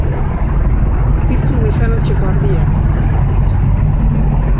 Piztu mesanotxeko argia.